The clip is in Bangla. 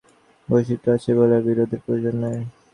বৈচিত্র্য আছে বলিয়া বিরোধের প্রয়োজন নাই।